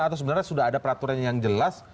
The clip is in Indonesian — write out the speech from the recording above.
atau sebenarnya sudah ada peraturan yang jelas